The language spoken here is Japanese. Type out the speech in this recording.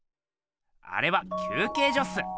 あれは休けいじょっす。